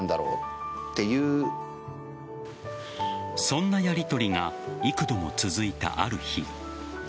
そんなやりとりが幾度も続いたある日。